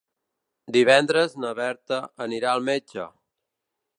Divendres na Berta anirà al metge.